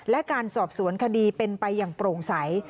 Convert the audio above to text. และการสอบสวนคดีเป็นไปอย่างโปร่งใส